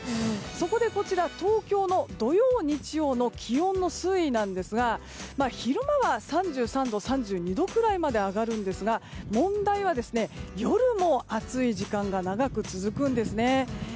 そこで東京の土曜、日曜の気温の推移なんですが昼間は３３度、３２度くらいまで上がるんですが問題は、夜も暑い時間が長く続くんです。